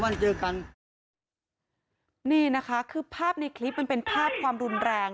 เจอกันนี่นะคะคือภาพในคลิปมันเป็นภาพความรุนแรง